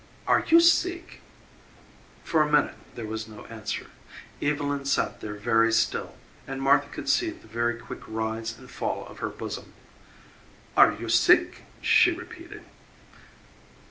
"Are you sick?" For a minute there was no answer. Evylyn sat there very still and Martha could see the very quick rise and fall of her bosom. "Are you sick?" she repeated.